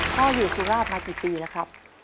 พ่ออยู่สุราชมากี่ปีแล้วครับ